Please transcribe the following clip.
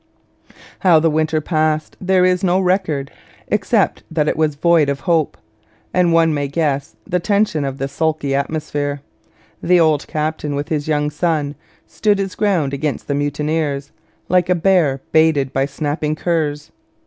How the winter passed there is no record, except that it was 'void of hope'; and one may guess the tension of the sulky atmosphere. The old captain, with his young son, stood his ground against the mutineers, like a bear baited by snapping curs.